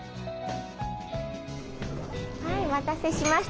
お待たせしました。